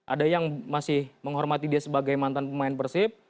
ada yang masih menghormati dia sebagai mantan pemain persib